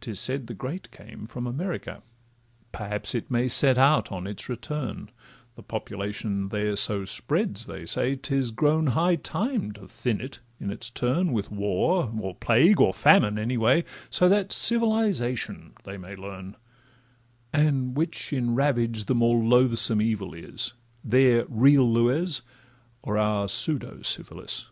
'Tis said the great came from America; Perhaps it may set out on its return,— The population there so spreads, they say 'Tis grown high time to thin it in its turn, With war, or plague, or famine, any way, So that civilisation they may learn; And which in ravage the more loathsome evil is— Their real lues, or our pseudo syphilis?